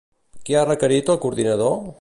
Què ha requerit el coordinador?